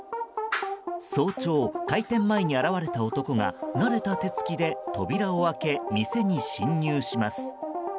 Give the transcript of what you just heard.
早朝、開店前に現れた男が慣れた手つきで扉を開け店に侵入します。